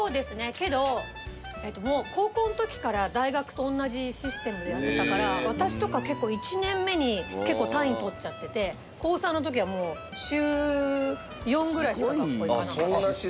けどもう高校の時から大学と同じシステムでやってたから私とか１年目に結構単位取っちゃってて高３の時はもう週４ぐらいしか学校行かなかった。